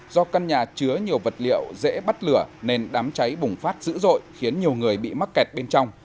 do căn nhà chứa nhiều vật liệu dễ bắt lửa nên đám cháy bùng phát dữ dội khiến nhiều người bị mắc kẹt bên trong